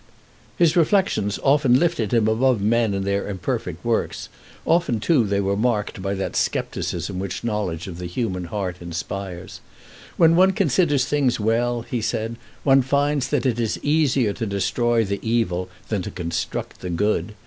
"His reflections often lifted him above men and their imperfect works; often, too, they were marked by that scepticism which knowledge of the human heart inspires. 'When one considers things well,' he said, 'one finds that it is easier to destroy the evil than to construct the good.